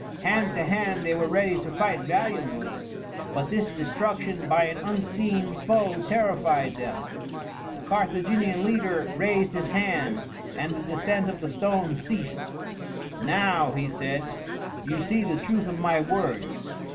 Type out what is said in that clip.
Hand to hand they were ready to fight valiantly, but this destruction by an unseen foe terrified them. The Carthaginian leader raised his hand, and the descent of the stones ceased. "Now," he said, "you see the truth of my words.